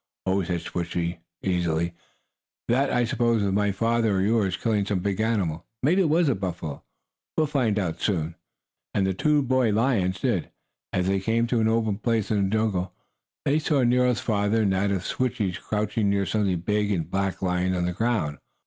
"Oh," said Switchie, easily, "that, I suppose, was my father, or yours, killing some big animal. Maybe it was a buffalo. We'll soon find out." And the two boy lions did. As they came to an open place in the jungle they saw Nero's father and that of Switchie crouching near something big and black lying on the ground.